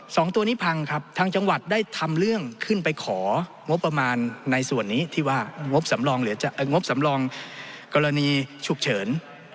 สองตัวนี้พังครับทางจังหวัดได้ทำเรื่องขึ้นไปของงบประมาณในส่วนนี้ที่ว่างบสำรองหรือจะงบสำรองกรณีฉุกเฉิน